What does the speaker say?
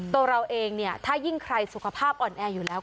ตัวเราเองเนี่ยถ้ายิ่งใครสุขภาพอ่อนแออยู่แล้ว